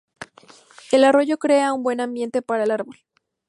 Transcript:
El arroyo crea un buen ambiente para el árbol.